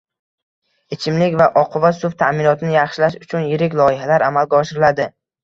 Ichimlik va oqova suv ta’minotini yaxshilash uchun yirik loyihalar amalga oshirilading